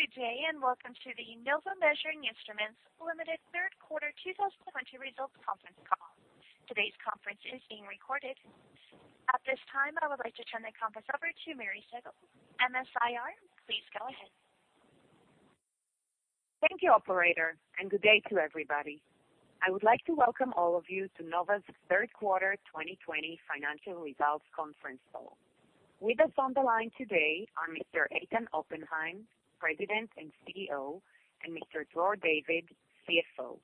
Good day, and welcome to the Nova Measuring Instruments Ltd. Third Quarter 2020 Results Conference Call. Today's conference is being recorded. At this time, I would like to turn the conference over to Miri Segal. MS-IR, please go ahead. Thank you, operator, and good day to everybody. I would like to welcome all of you to Nova's Third Quarter 2020 Financial Results Conference Call. With us on the line today are Mr. Eitan Oppenheim, President and CEO, and Mr. Dror David, CFO.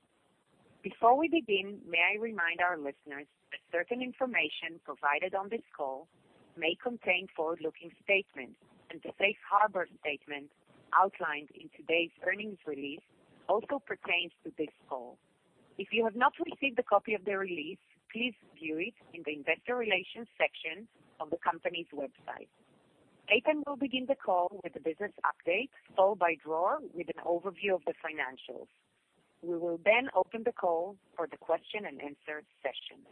Before we begin, may I remind our listeners that certain information provided on this call may contain forward-looking statements, and the safe harbor statement outlined in today's earnings release also pertains to this call. If you have not received a copy of the release, please view it in the investor relations section of the company's website. Eitan will begin the call with a business update, followed by Dror with an overview of the financials. We will open the call for the question and answer session.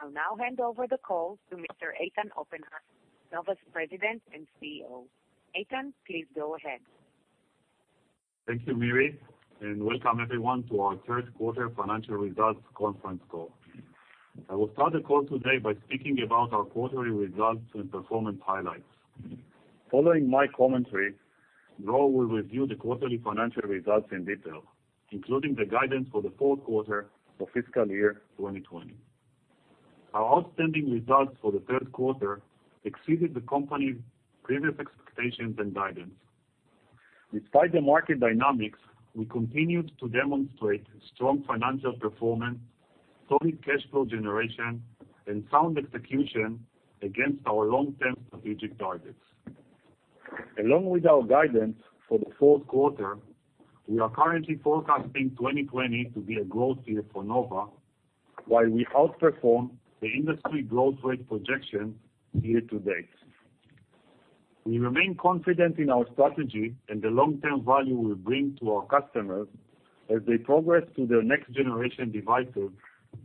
I'll now hand over the call to Mr. Eitan Oppenheim, Nova's President and CEO. Eitan, please go ahead. Thank you, Miri, and welcome everyone to our third quarter financial results conference call. I will start the call today by speaking about our quarterly results and performance highlights. Following my commentary, Dror will review the quarterly financial results in detail, including the guidance for the fourth quarter of fiscal year 2020. Our outstanding results for the third quarter exceeded the company's previous expectations and guidance. Despite the market dynamics, we continued to demonstrate strong financial performance, solid cash flow generation, and sound execution against our long-term strategic targets. Along with our guidance for the fourth quarter, we are currently forecasting 2020 to be a growth year for Nova, while we outperformed the industry growth rate projection year to date. We remain confident in our strategy and the long-term value we bring to our customers as they progress to their next-generation devices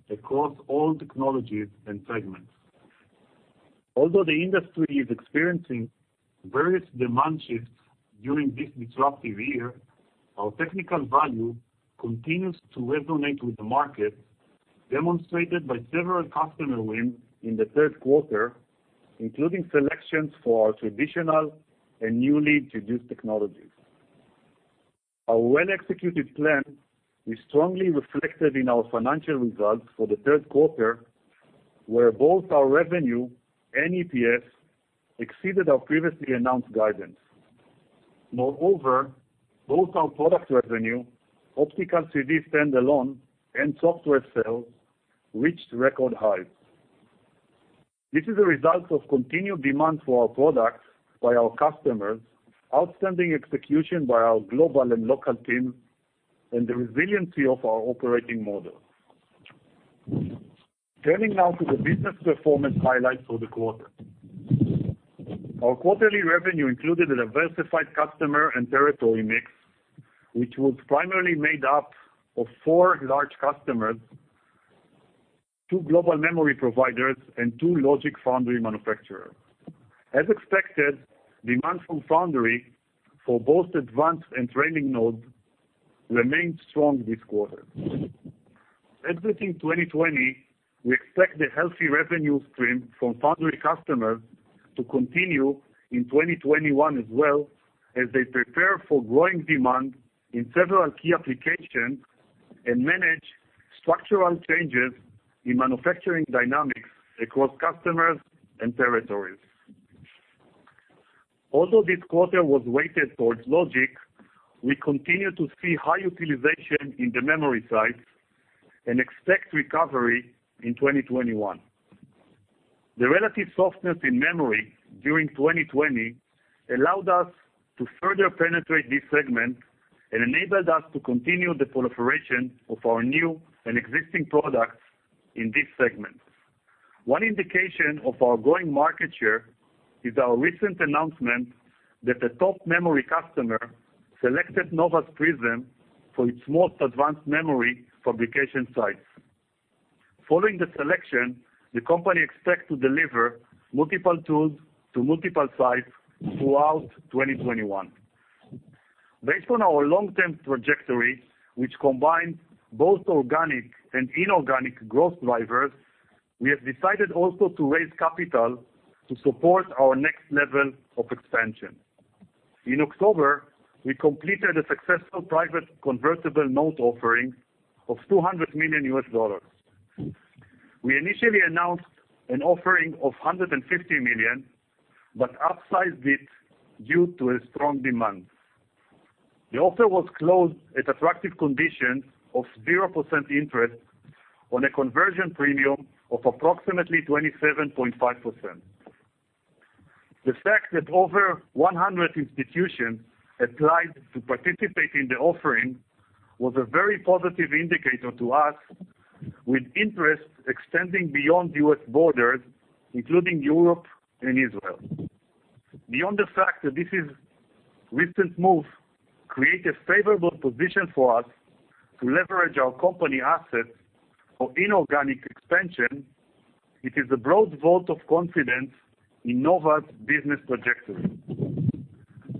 across all technologies and segments. Although the industry is experiencing various demand shifts during this disruptive year, our technical value continues to resonate with the market, demonstrated by several customer wins in the third quarter, including selections for our traditional and newly introduced technologies. Our well-executed plan is strongly reflected in our financial results for the third quarter, where both our revenue and EPS exceeded our previously announced guidance. Moreover, both our product revenue, optical CD standalone, and software sales reached record highs. This is a result of continued demand for our products by our customers, outstanding execution by our global and local teams, and the resiliency of our operating model. Turning now to the business performance highlights for the quarter. Our quarterly revenue included a diversified customer and territory mix, which was primarily made up of four large customers, two global memory providers, and two logic foundry manufacturers. As expected, demand from foundry for both advanced and trailing nodes remained strong this quarter. Exiting 2020, we expect the healthy revenue stream from foundry customers to continue in 2021 as well, as they prepare for growing demand in several key applications and manage structural changes in manufacturing dynamics across customers and territories. Although this quarter was weighted towards logic, we continue to see high utilization in the memory sites and expect recovery in 2021. The relative softness in memory during 2020 allowed us to further penetrate this segment and enabled us to continue the proliferation of our new and existing products in this segment. One indication of our growing market share is our recent announcement that a top memory customer selected Nova Prism for its most advanced memory fabrication sites. Following the selection, the company expects to deliver multiple tools to multiple sites throughout 2021. Based on our long-term trajectory, which combines both organic and inorganic growth drivers, we have decided also to raise capital to support our next level of expansion. In October, we completed a successful private convertible note offering of $200 million. We initially announced an offering of $150 million, but upsized it due to a strong demand. The offer was closed at attractive conditions of 0% interest on a conversion premium of approximately 27.5%. The fact that over 100 institutions applied to participate in the offering was a very positive indicator to us, with interest extending beyond U.S. borders, including Europe and Israel. Beyond the fact that this recent move creates a favorable position for us to leverage our company assets for inorganic expansion. It is a broad vote of confidence in Nova's business trajectory.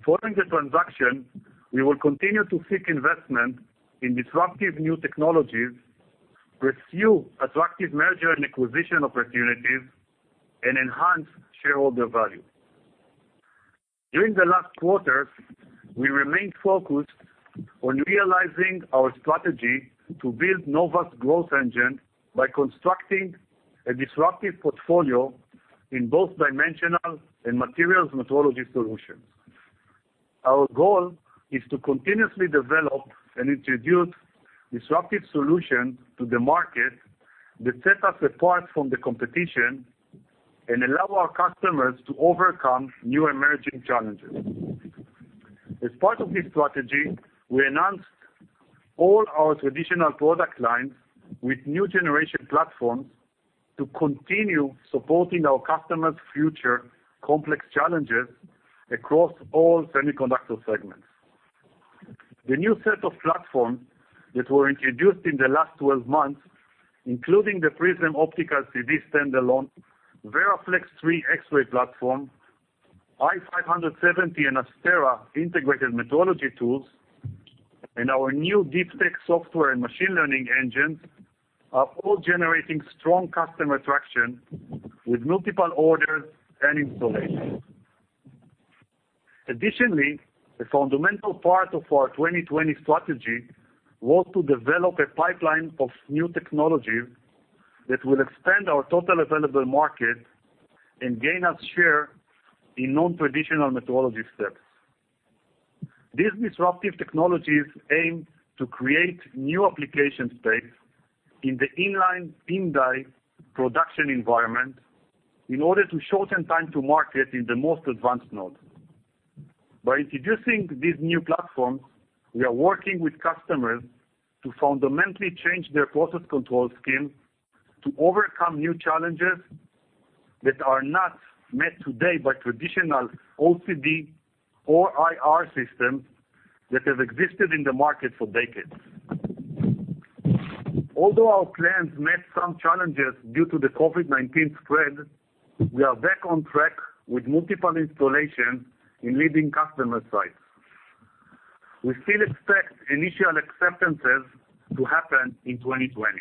Following the transaction, we will continue to seek investment in disruptive new technologies, pursue attractive merger and acquisition opportunities, and enhance shareholder value. During the last quarter, we remained focused on realizing our strategy to build Nova's growth engine by constructing a disruptive portfolio in both dimensional and materials metrology solutions. Our goal is to continuously develop and introduce disruptive solutions to the market that set us apart from the competition, and allow our customers to overcome new emerging challenges. As part of this strategy, we enhanced all our traditional product lines with new generation platforms to continue supporting our customers' future complex challenges across all semiconductor segments. The new set of platforms that were introduced in the last 12 months, including the Nova Prism OCD standalone, VeraFlex III X-ray platform, Nova i570 and Nova ASTERA integrated metrology tools, and our new Deep Tech software and machine learning engines are all generating strong customer traction with multiple orders and installations. Additionally, a fundamental part of our 2020 strategy was to develop a pipeline of new technologies that will expand our total available market and gain us share in non-traditional metrology steps. These disruptive technologies aim to create new application space in the inline in-die production environment in order to shorten time to market in the most advanced nodes. By introducing these new platforms, we are working with customers to fundamentally change their process control scheme to overcome new challenges that are not met today by traditional OCD or IR systems that have existed in the market for decades. Although our plans met some challenges due to the COVID-19 spread, we are back on track with multiple installations in leading customer sites. We still expect initial acceptances to happen in 2020.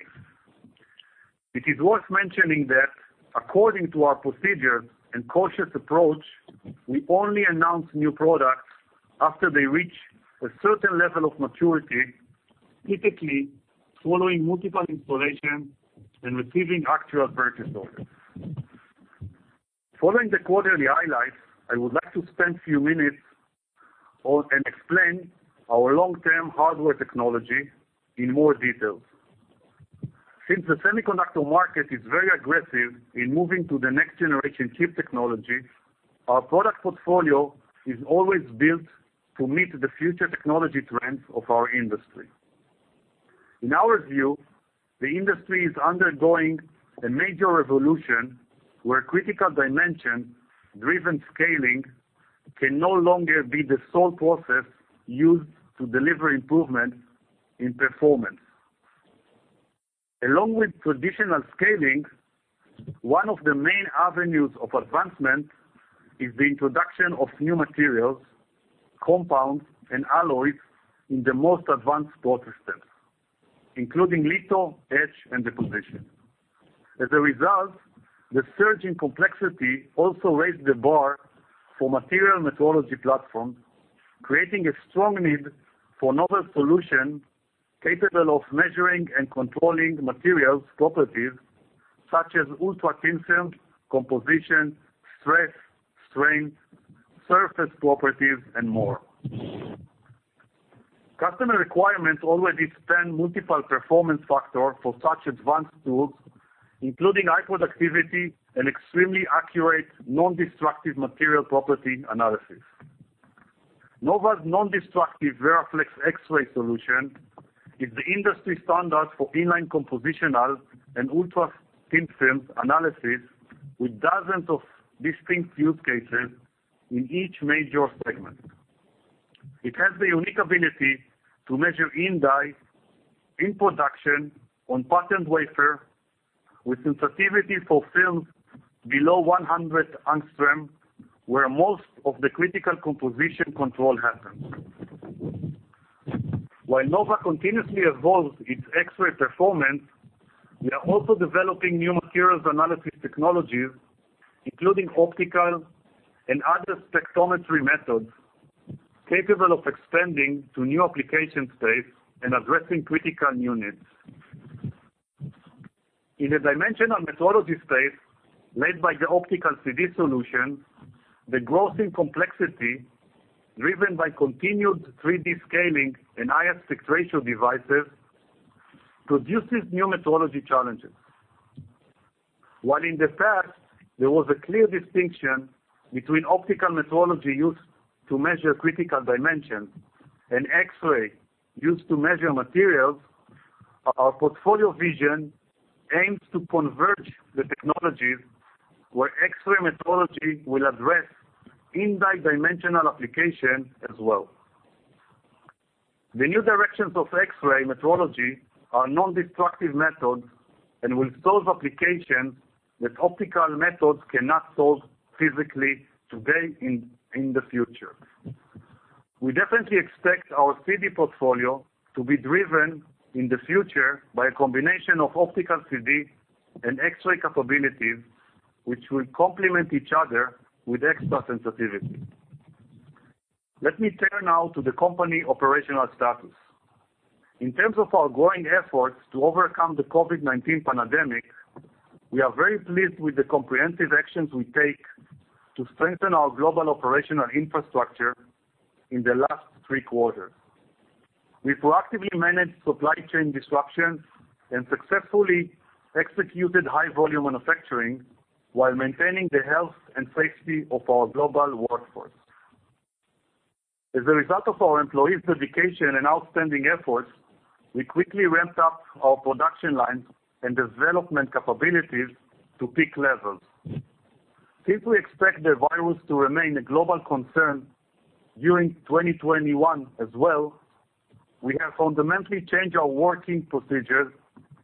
It is worth mentioning that according to our procedure and cautious approach, we only announce new products after they reach a certain level of maturity, typically following multiple installations and receiving actual purchase orders. Following the quarterly highlights, I would like to spend a few minutes and explain our long-term hardware technology in more detail. Since the semiconductor market is very aggressive in moving to the next generation chip technology, our product portfolio is always built to meet the future technology trends of our industry. In our view, the industry is undergoing a major revolution where critical dimension-driven scaling can no longer be the sole process used to deliver improvement in performance. Along with traditional scaling, one of the main avenues of advancement is the introduction of new materials, compounds, and alloys in the most advanced process steps, including litho, etch, and deposition. As a result, the surge in complexity also raised the bar for material metrology platforms, creating a strong need for novel solution capable of measuring and controlling materials properties such as ultra-thin films, composition, stress, strain, surface properties, and more. Customer requirements already span multiple performance factors for such advanced tools, including high productivity and extremely accurate non-destructive material property analysis. Nova's non-destructive VeraFlex X-ray solution is the industry standard for inline compositional and ultra-thin films analysis with dozens of distinct use cases in each major segment. It has the unique ability to measure in-die, in production, on patterned wafer with sensitivity for films below 100 angstrom, where most of the critical composition control happens. While Nova continuously evolves its X-ray performance, we are also developing new materials analysis technologies, including optical and other spectrometry methods capable of extending to new application space and addressing critical units. In a dimensional metrology space led by the optical CD solution, the growth in complexity driven by continued 3D scaling and higher aspect ratio devices produces new metrology challenges. While in the past, there was a clear distinction between optical metrology used to measure critical dimension and X-ray used to measure materials, our portfolio vision aims to converge the technologies where X-ray metrology will address in-die dimensional application as well. The new directions of X-ray metrology are non-destructive methods and will solve applications that optical methods cannot solve physically today in the future. We definitely expect our CD portfolio to be driven in the future by a combination of optical CD and X-ray capabilities, which will complement each other with extra sensitivity. Let me turn now to the company operational status. In terms of our growing efforts to overcome the COVID-19 pandemic, we are very pleased with the comprehensive actions we take to strengthen our global operational infrastructure in the last three quarters. We proactively manage supply chain disruptions and successfully executed high volume manufacturing while maintaining the health and safety of our global workforce. As a result of our employees' dedication and outstanding efforts, we quickly ramped up our production lines and development capabilities to peak levels. Since we expect the virus to remain a global concern during 2021 as well, we have fundamentally changed our working procedures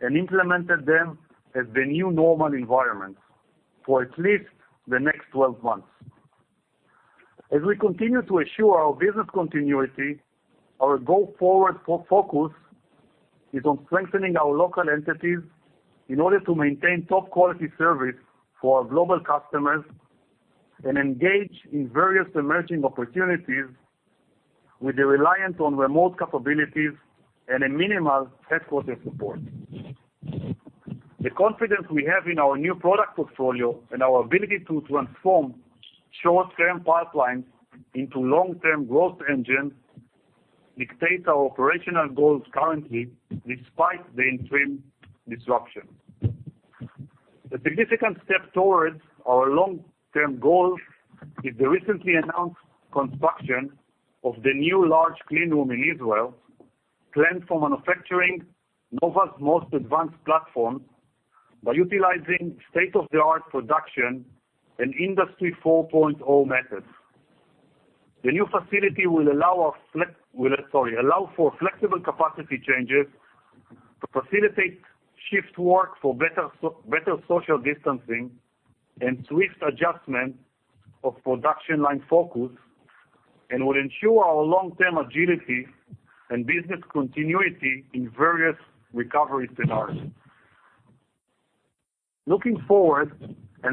and implemented them as the new normal environment for at least the next 12 months. As we continue to assure our business continuity, our go-forward focus is on strengthening our local entities in order to maintain top-quality service for our global customers and engage in various emerging opportunities with the reliance on remote capabilities and a minimal headquarter support. The confidence we have in our new product portfolio and our ability to transform short-term pipelines into long-term growth engines dictates our operational goals currently despite the interim disruption. A significant step towards our long-term goals is the recently announced construction of the new large clean room in Israel, planned for manufacturing Nova's most advanced platform by utilizing state-of-the-art production and Industry 4.0 methods. The new facility will allow for flexible capacity changes to facilitate shift work for better social distancing and swift adjustment of production line focus, and will ensure our long-term agility and business continuity in various recovery scenarios. Looking forward,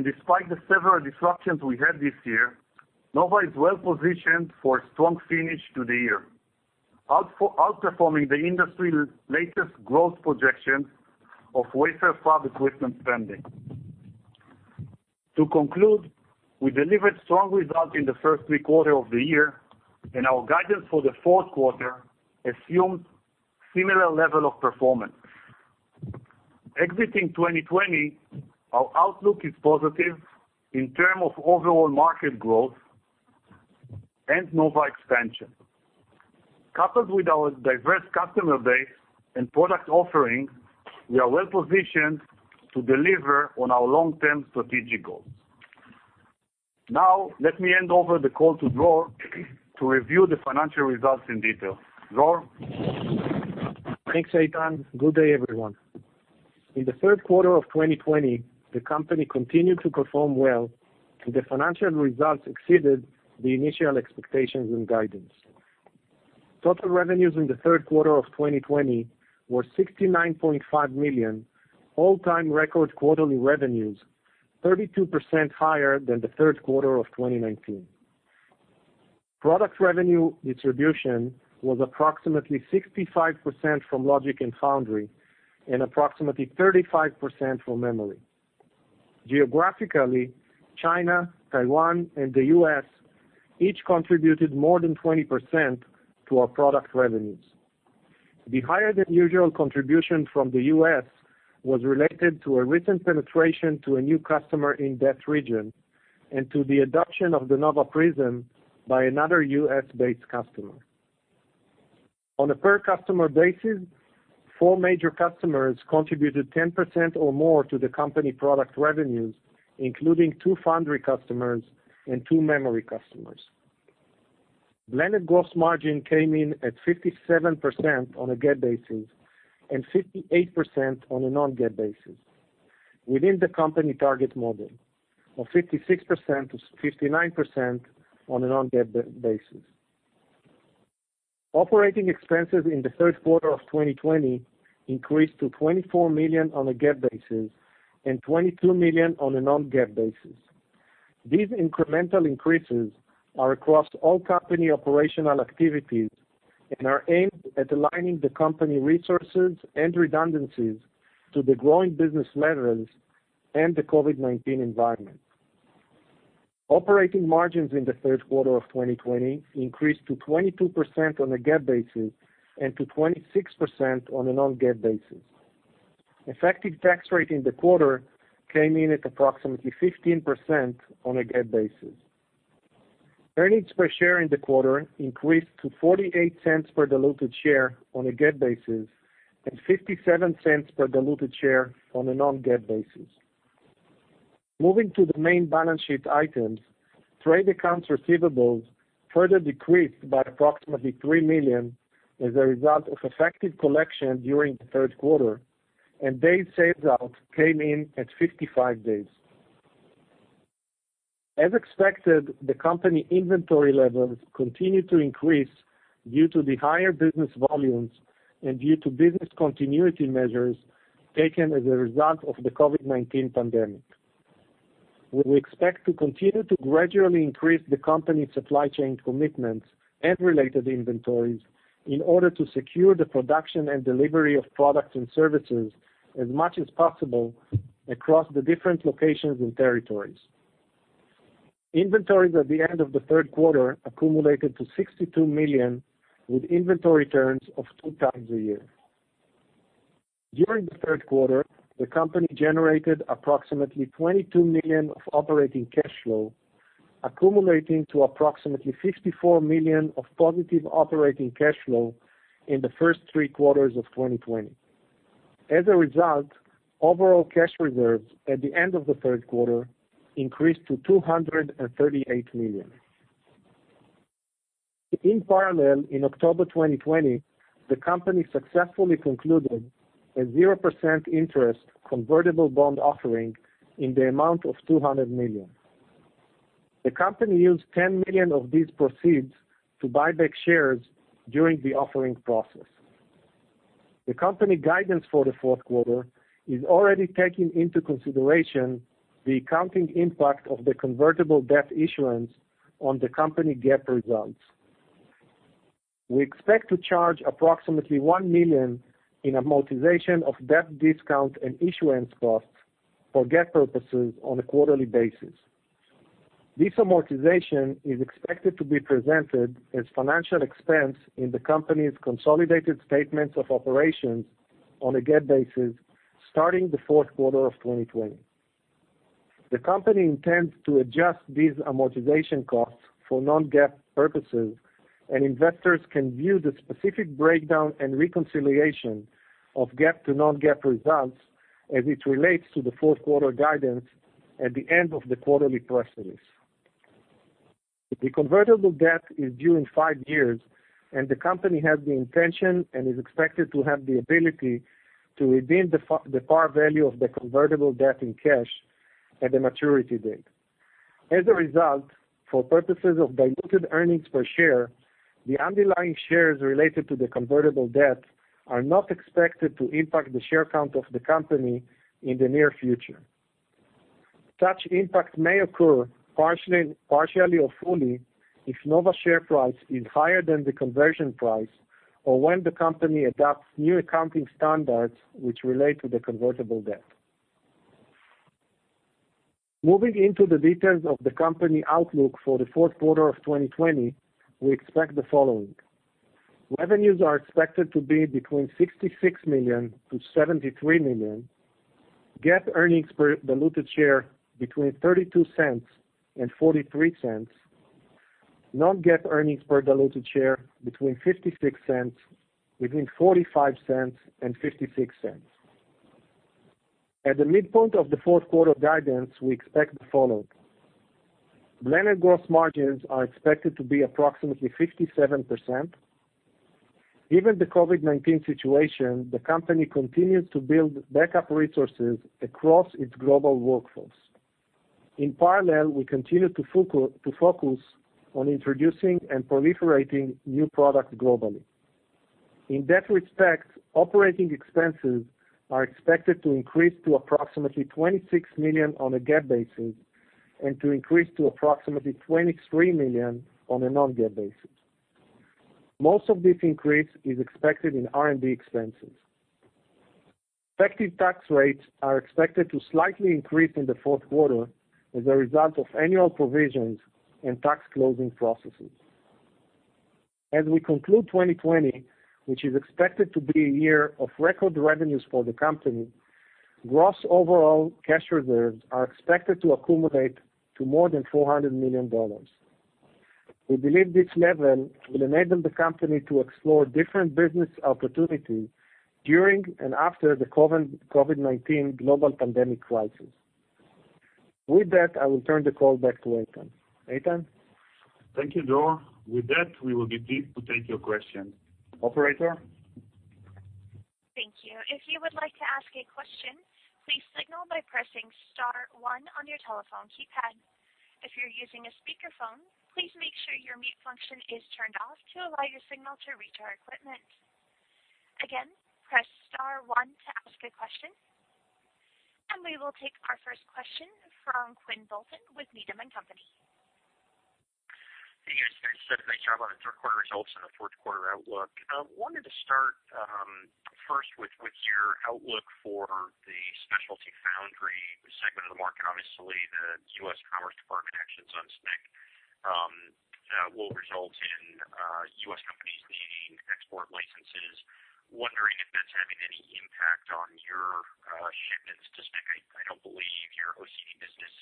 despite the several disruptions we had this year, Nova is well-positioned for a strong finish to the year, outperforming the industry's latest growth projections of wafer fab equipment spending. To conclude, we delivered strong results in the first three quarter of the year. Our guidance for the fourth quarter assumes similar level of performance. Exiting 2020, our outlook is positive in term of overall market growth and Nova expansion. Coupled with our diverse customer base and product offering, we are well-positioned to deliver on our long-term strategic goals. Now, let me hand over the call to Dror to review the financial results in detail. Dror? Thanks, Eitan. Good day, everyone. In the third quarter of 2020, the company continued to perform well and the financial results exceeded the initial expectations and guidance. Total revenues in the third quarter of 2020 were $69.5 million, all-time record quarterly revenues, 32% higher than the third quarter of 2019. Product revenue distribution was approximately 65% from logic and foundry and approximately 35% from memory. Geographically, China, Taiwan, and the U.S. each contributed more than 20% to our product revenues. The higher than usual contribution from the U.S. was related to a recent penetration to a new customer in that region and to the adoption of the Nova Prism by another U.S. based customer. On a per customer basis, four major customers contributed 10% or more to the company product revenues, including two foundry customers and two memory customers. Blended gross margin came in at 57% on a GAAP basis and 58% on a non-GAAP basis within the company target model of 56%-59% on a non-GAAP basis. Operating expenses in the third quarter of 2020 increased to $24 million on a GAAP basis and $22 million on a non-GAAP basis. These incremental increases are across all company operational activities and are aimed at aligning the company resources and redundancies to the growing business levels and the COVID-19 environment. Operating margins in the third quarter of 2020 increased to 22% on a GAAP basis and to 26% on a non-GAAP basis. Effective tax rate in the quarter came in at approximately 15% on a GAAP basis. Earnings per share in the quarter increased to $0.48 per diluted share on a GAAP basis and $0.57 per diluted share on a non-GAAP basis. Moving to the main balance sheet items, trade accounts receivables further decreased by approximately $3 million as a result of effective collection during the third quarter, and days sales out came in at 55 days. As expected, the company inventory levels continued to increase due to the higher business volumes and due to business continuity measures taken as a result of the COVID-19 pandemic. We expect to continue to gradually increase the company's supply chain commitments and related inventories in order to secure the production and delivery of products and services as much as possible across the different locations and territories. Inventories at the end of the third quarter accumulated to $62 million, with inventory turns of two times a year. During the third quarter, the company generated approximately $22 million of operating cash flow, accumulating to approximately $54 million of positive operating cash flow in the first three quarters of 2020. As a result, overall cash reserves at the end of the third quarter increased to $238 million. In parallel, in October 2020, the company successfully concluded a 0% interest convertible bond offering in the amount of $200 million. The company used $10 million of these proceeds to buy back shares during the offering process. The company guidance for the fourth quarter is already taking into consideration the accounting impact of the convertible debt issuance on the company GAAP results. We expect to charge approximately $1 million in amortization of debt discount and issuance costs for GAAP purposes on a quarterly basis. This amortization is expected to be presented as financial expense in the company's consolidated statements of operations on a GAAP basis starting the fourth quarter of 2020. The company intends to adjust these amortization costs for non-GAAP purposes, and investors can view the specific breakdown and reconciliation of GAAP to non-GAAP results as it relates to the fourth quarter guidance at the end of the quarterly press release. The convertible debt is due in five years, and the company has the intention and is expected to have the ability to redeem the par value of the convertible debt in cash at the maturity date. As a result, for purposes of diluted earnings per share, the underlying shares related to the convertible debt are not expected to impact the share count of the company in the near future. Such impact may occur partially or fully if Nova share price is higher than the conversion price or when the company adopts new accounting standards which relate to the convertible debt. Moving into the details of the company outlook for the fourth quarter of 2020, we expect the following. Revenues are expected to be between $66 million to $73 million. GAAP earnings per diluted share between $0.32 and $0.43. Non-GAAP earnings per diluted share between $0.45 and $0.56. At the midpoint of the fourth quarter guidance, we expect the following. Blended gross margins are expected to be approximately 57%. Given the COVID-19 situation, the company continues to build backup resources across its global workforce. In parallel, we continue to focus on introducing and proliferating new products globally. In that respect, operating expenses are expected to increase to approximately $26 million on a GAAP basis and to increase to approximately $23 million on a non-GAAP basis. Most of this increase is expected in R&D expenses. Effective tax rates are expected to slightly increase in the fourth quarter as a result of annual provisions and tax closing processes. As we conclude 2020, which is expected to be a year of record revenues for the company, gross overall cash reserves are expected to accumulate to more than $400 million. We believe this level will enable the company to explore different business opportunities during and after the COVID-19 global pandemic crisis. With that, I will turn the call back to Eitan. Eitan? Thank you, Dror. With that, we will begin to take your questions. Operator? Thank you. If you would like to ask a question, please signal by pressing star one on your telephone keypad. If you're using a speakerphone, please make sure your mute function is turned off to allow your signal to reach our equipment. Again, press star one to ask a question. We will take our first question from Quinn Bolton with Needham & Company. Hey, guys. Thanks. Nice job on the third quarter results and the fourth quarter outlook. I wanted to start first with your outlook for the specialty foundry segment of the market. Obviously, the U.S. Commerce Department actions on SMIC will result in U.S. companies needing export licenses. Wondering if that's having any impact on your shipments to SMIC? I don't believe your OCD business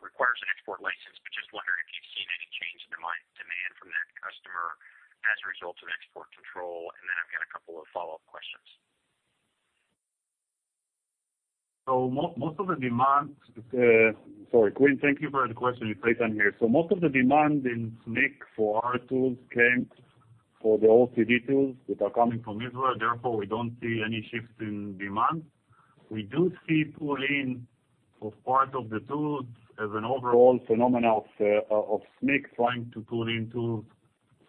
requires an export license. Just wondering if you've seen any change in demand from that customer? As a result of export control, then I've got a couple of follow-up questions. Sorry, Quinn, thank you for the question. It's Eitan here. Most of the demand in SMIC for our tools came for the OCD tools that are coming from Israel. Therefore, we don't see any shifts in demand. We do see pull-in of part of the tools as an overall phenomenon of SMIC trying to pull in tools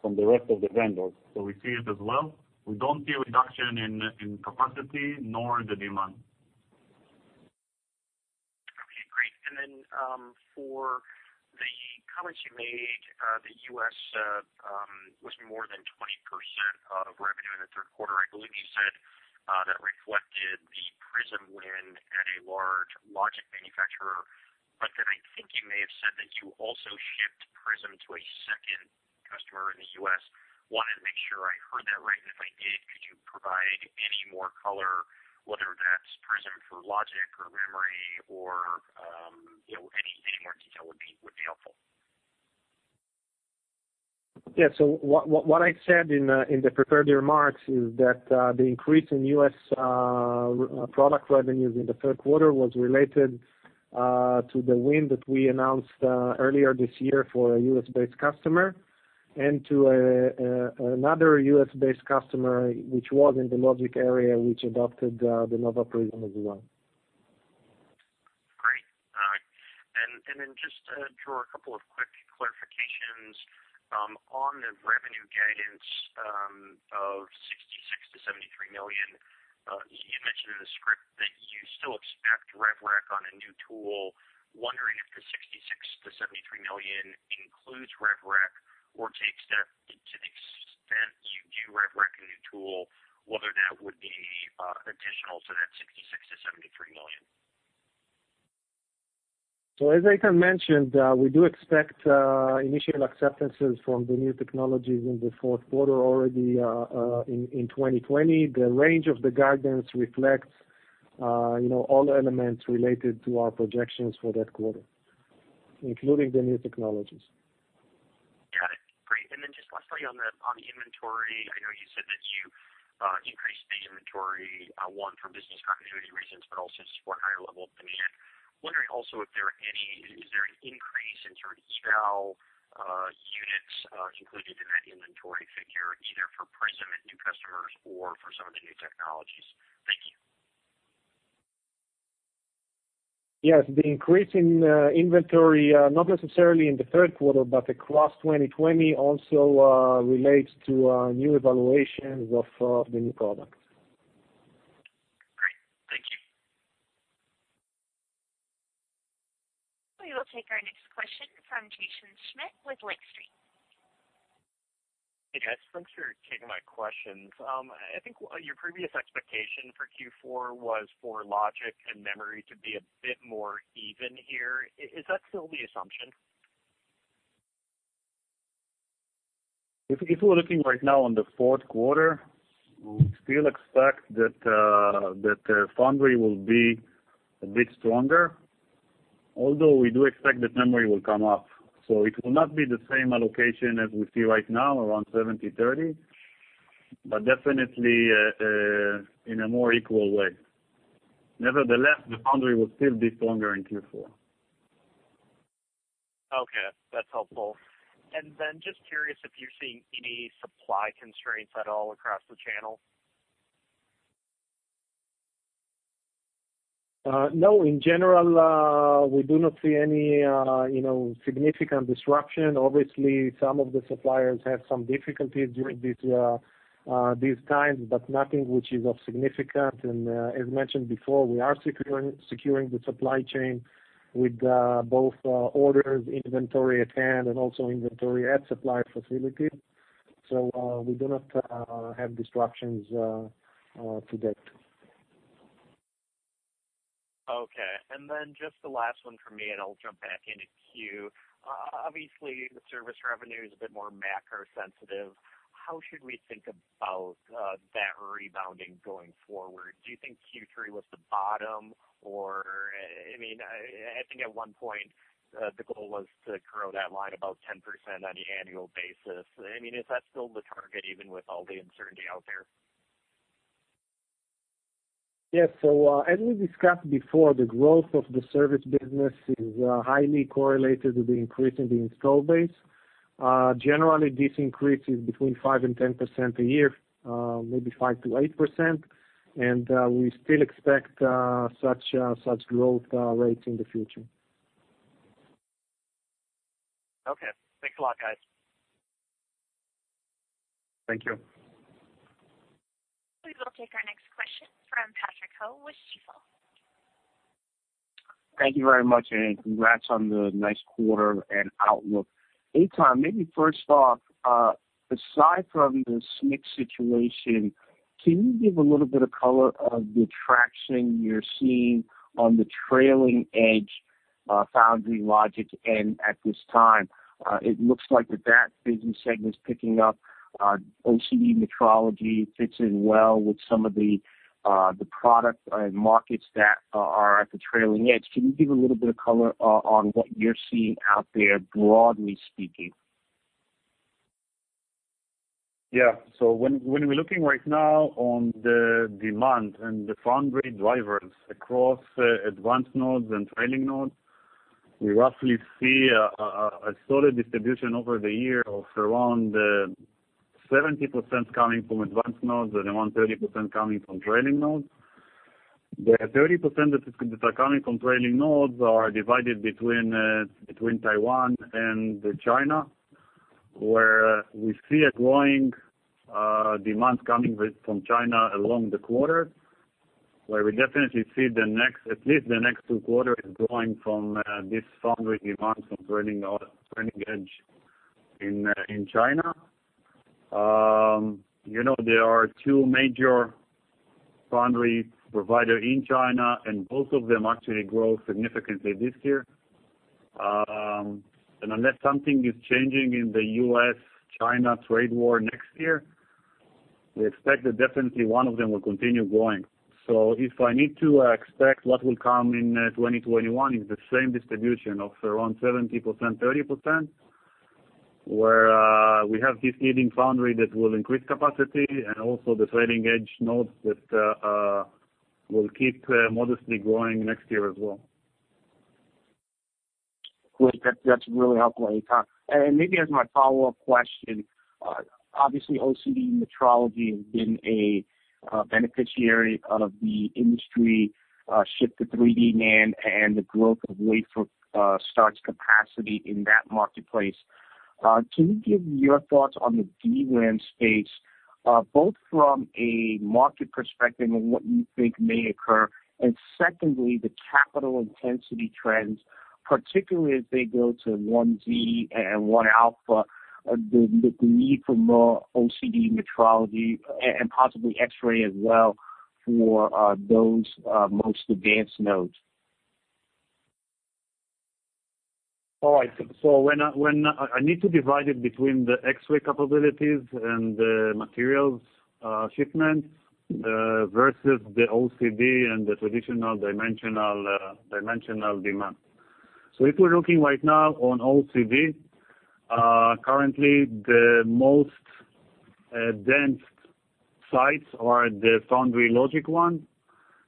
from the rest of the vendors. We see it as well. We don't see a reduction in capacity nor the demand. Okay, great. For the comments you made, the U.S. was more than 20% of revenue in the third quarter. I believe you said that reflected the Prism win at a large logic manufacturer. I think you may have said that you also shipped Prism to a second customer in the U.S. I wanted to make sure I heard that right. If I did, could you provide any more color, whether that's Prism for logic or memory, any more detail would be helpful. Yeah. What I said in the prepared remarks is that the increase in U.S. product revenues in the third quarter was related to the win that we announced earlier this year for a U.S. based customer and to another U.S. based customer, which was in the logic area, which adopted the Nova Prism as well. Great. All right. Just Dror, a couple of quick clarifications. On the revenue guidance of $66 million to $73 million, you mentioned in the script that you still expect rev rec on a new tool. I'm wondering if the $66 million to $73 million includes rev rec or to the extent you do rev rec a new tool, whether that would be additional to that $66 million to $73 million. As Eitan mentioned, we do expect initial acceptances from the new technologies in the 4th quarter already in 2020. The range of the guidance reflects all the elements related to our projections for that quarter, including the new technologies. Got it. Great. Just lastly on the inventory. I know you said that you increased the inventory, one, for business continuity reasons, but also to support higher levels of demand. Wondering also is there an increase in terms of sell units included in that inventory figure, either for Prism at new customers or for some of the new technologies? Thank you. Yes, the increase in inventory, not necessarily in the third quarter, but across 2020 also relates to new evaluations of the new products. Great. Thank you. We will take our next question from Jaeson Schmidt with Lake Street. Hey, guys. Thanks for taking my questions. I think your previous expectation for Q4 was for logic and memory to be a bit more even here. Is that still the assumption? If we're looking right now on the fourth quarter, we still expect that foundry will be a bit stronger, although we do expect that memory will come up. It will not be the same allocation as we see right now, around 70/30, but definitely in a more equal way. Nevertheless, the foundry will still be stronger in Q4. Okay, that's helpful. Just curious if you're seeing any supply constraints at all across the channel? No, in general, we do not see any significant disruption. Obviously, some of the suppliers have some difficulties during these times, but nothing which is of significant. As mentioned before, we are securing the supply chain with both orders, inventory at hand, and also inventory at supply facilities. We do not have disruptions to date. Okay. Then just the last one from me, and I'll jump back in a queue. Obviously, the service revenue is a bit more macro sensitive. How should we think about that rebounding going forward? Do you think Q3 was the bottom? I think at one point, the goal was to grow that line above 10% on an annual basis. Is that still the target even with all the uncertainty out there? Yes. As we discussed before, the growth of the service business is highly correlated with the increase in the install base. Generally, this increase is between 5% and 10% a year, maybe 5%-8%, and we still expect such growth rate in the future. Okay. Thanks a lot, guys. Thank you. We will take our next question from Patrick Ho with Stifel. Thank you very much, and congrats on the nice quarter and outlook. Eitan, maybe first off, aside from the SMIC situation, can you give a little bit of color of the traction you're seeing on the trailing edge foundry logic end at this time? It looks like that business segment is picking up. OCD metrology fits in well with some of the product markets that are at the trailing edge. Can you give a little bit of color on what you're seeing out there, broadly speaking? Yeah. When we're looking right now on the demand and the foundry drivers across advanced nodes and trailing nodes, we roughly see a solid distribution over the year of around 70% coming from advanced nodes and around 30% coming from trailing nodes. The 30% that are coming from trailing nodes are divided between Taiwan and China, where we see a growing demand coming from China along the quarter, where we definitely see at least the next two quarters growing from this foundry demand from trailing nodes, trailing edge in China. There are two major foundry providers in China, both of them actually grow significantly this year. Unless something is changing in the U.S. China trade war next year, we expect that definitely one of them will continue growing. If I need to expect what will come in 2021, it's the same distribution of around 70%, 30%, where we have this leading foundry that will increase capacity, and also the trailing edge nodes that will keep modestly growing next year as well. Great. That's really helpful, Eitan. Maybe as my follow-up question, obviously, OCD metrology has been a beneficiary out of the industry shift to 3D NAND and the growth of wafer starts capacity in that marketplace. Can you give your thoughts on the DRAM space, both from a market perspective and what you think may occur? Secondly, the capital intensity trends, particularly as they go to 1Z and 1-alpha, the need for more OCD metrology, and possibly X-ray as well for those most advanced nodes. All right. I need to divide it between the X-ray capabilities and the materials shipments versus the OCD and the traditional dimensional demand. If we're looking right now on OCD, currently the most dense sites are the foundry logic one.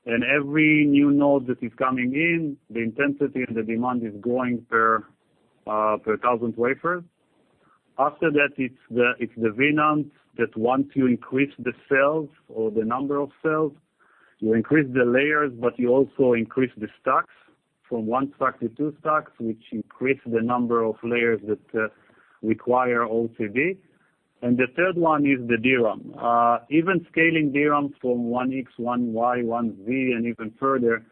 Every new node that is coming in, the intensity of the demand is growing per 1,000 wafers. After that, it's the V-NAND that once you increase the cells or the number of cells, you increase the layers, but you also increase the stacks from one stack to two stacks, which increase the number of layers that require OCD. The third one is the DRAM. Even scaling DRAM from 1X, 1Y, 1Z, and even further,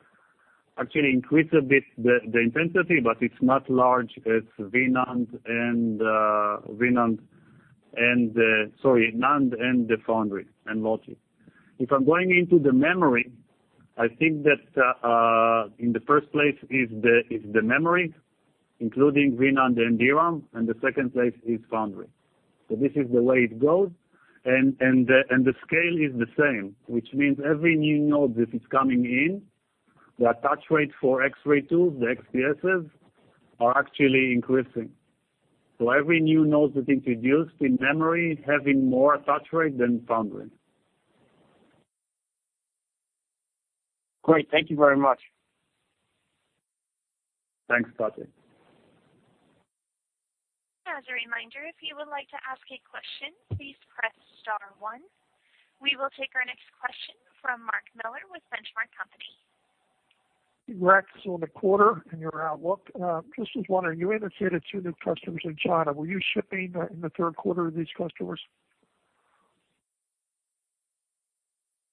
actually increase a bit the intensity, but it's not large as the NAND and the foundry, and logic. If I'm going into the memory, I think that in the first place is the memory, including V-NAND and DRAM, and the second place is foundry. This is the way it goes, and the scale is the same, which means every new node that is coming in, the attach rate for X-ray tools, the XPSs, are actually increasing. Every new node that's introduced in memory is having more attach rate than foundry. Great. Thank you very much. Thanks, Patrick. As a reminder, if you would like to ask a question, please press star one. We will take our next question from Mark Miller with Benchmark Company. Eitan, on the quarter and your outlook, just was wondering, you indicated two new customers in China. Were you shipping in the third quarter to these customers?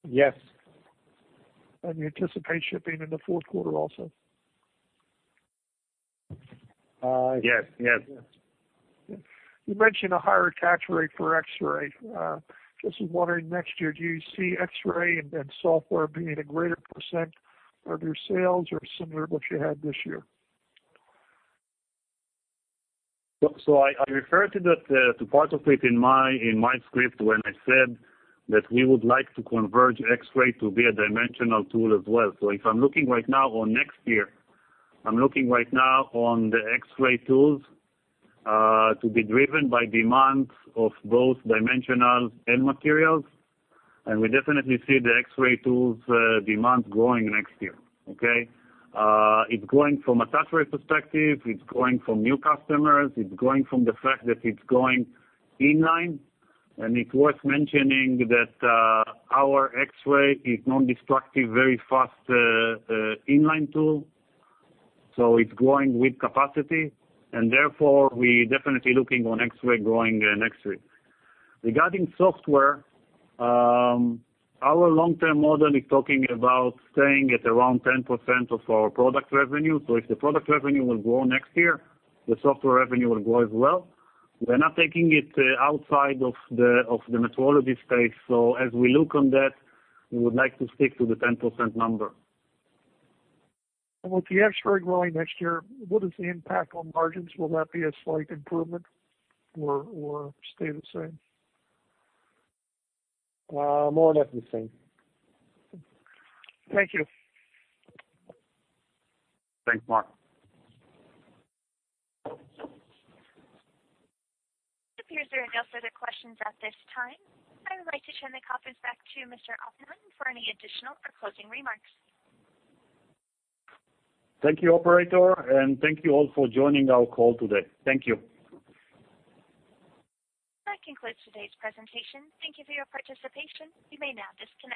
Yes. You anticipate shipping in the fourth quarter also? Yes. You mentioned a higher attach rate for X-ray. Just was wondering, next year, do you see X-ray and software being a greater % of your sales or similar to what you had this year? I referred to part of it in my script when I said that we would like to converge X-ray to be a dimensional tool as well. If I'm looking right now on next year, I'm looking right now on the X-ray tools to be driven by demands of both dimensional end materials. We definitely see the X-ray tools demand growing next year. Okay? It's growing from attach rate perspective, it's growing from new customers. It's growing from the fact that it's going inline, and it's worth mentioning that our X-ray is non-destructive, very fast inline tool. It's growing with capacity, and therefore, we're definitely looking on X-ray growing next year. Regarding software, our long-term model is talking about staying at around 10% of our product revenue. If the product revenue will grow next year, the software revenue will grow as well. We're not taking it outside of the metrology space. As we look on that, we would like to stick to the 10% number. With the X-ray growing next year, what is the impact on margins? Will that be a slight improvement or stay the same? More or less the same. Thank you. Thanks, Mark. It appears there are no further questions at this time. I would like to turn the conference back to Mr. Oppenheim for any additional or closing remarks. Thank you, operator, and thank you all for joining our call today. Thank you. That concludes today's presentation. Thank you for your participation. You may now disconnect.